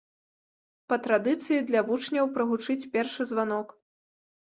Па традыцыі, для вучняў прагучыць першы званок.